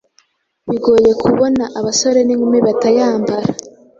bigoye kubona abasore n’inkumi batayambara